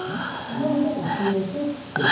なので薄めて、捨てる。